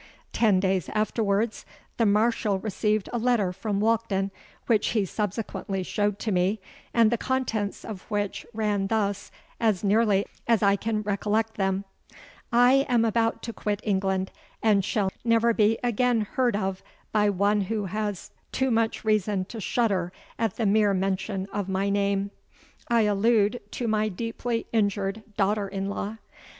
Ten days afterwards the Marshal received a letter from Walkden, which he subsequently showed to me, and the contents of which ran thus as nearly as I can recollect them:—'_I am about to quit England, and shall never be again heard of by one who has to much reason to shudder at the mere mention of my name. I allude to my deeply injured daughter in law.